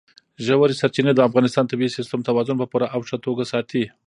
ژورې سرچینې د افغانستان د طبعي سیسټم توازن په پوره او ښه توګه ساتي.